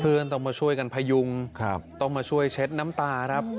ต้องมาช่วยกันพยุงต้องมาช่วยเช็ดน้ำตาครับ